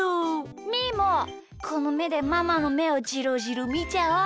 みーもこのめでママのめをじろじろみちゃおうっと。